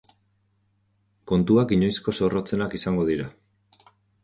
Kontuak inoizko zorrotzenak izango dira.